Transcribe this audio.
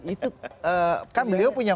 itu kan beliau punya